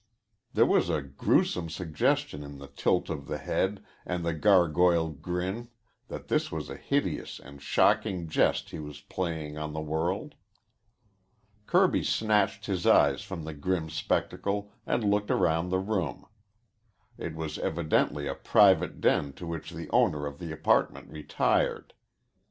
There was a grewsome suggestion in the tilt of the head and the gargoyle grin that this was a hideous and shocking jest he was playing on the world. Kirby snatched his eyes from the grim spectacle and looked round the room. It was evidently a private den to which the owner of the apartment retired.